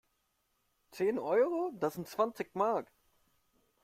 Zehn Euro? Das sind zwanzig Mark!